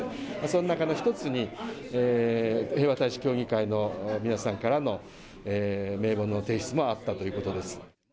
その中の一つに、平和大使協議会の皆さんからの名簿の提出もあったということです。